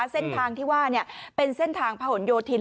เส้นทางที่ว่าเป็นเส้นทางผนโยธิน